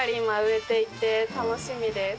楽しみです。